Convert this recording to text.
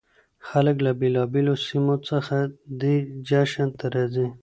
خلک له بېلابېلو سیمو څخه دې جشن ته راځي.